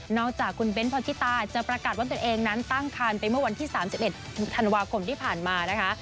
จากคุณเบ้นพรธิตาจะประกาศว่าตัวเองนั้นตั้งคันไปเมื่อวันที่๓๑ธันวาคมที่ผ่านมานะคะ